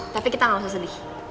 tapi kita nggak usah sedih